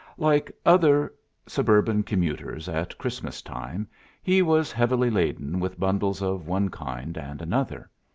Like other suburban commuters at Christmas time, he was heavily laden with bundles of one kind and another.